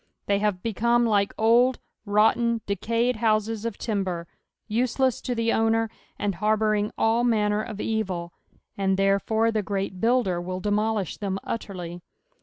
They hare become like old, rotten, decayed houses of timber, useless to the owner, and harbouring all manner of evil, and, therefore, the Orest Builder will demolish them utterly.